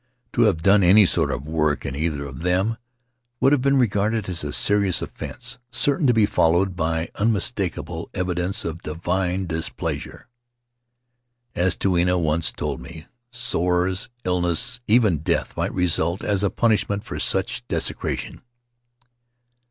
To have done any sort of work in either of them would have been regarded as a serious offense, certain to be followed by unmistakable evidence of divine displeasure. As Tuina once told me, sores, illness, even death might result as a punishment for such desecration.